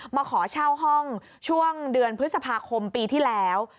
มาขอเช่าห้องช่วงเดือนพฤษภาคมปีที่แล้ว